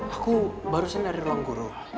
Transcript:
aku barusan dari ruang guru